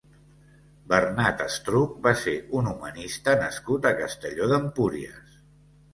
Bernat Estruc va ser un humanista nascut a Castelló d'Empúries.